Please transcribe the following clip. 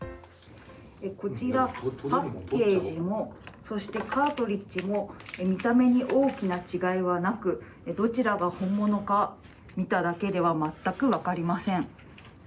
こちら、パッケージもそしてカートリッジも見た目に大きな違いはなくどちらが本物か見ただけでは全くわかりません。